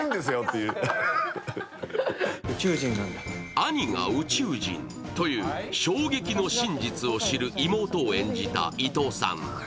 兄が宇宙人という衝撃の真実を知る妹を演じた伊藤さん。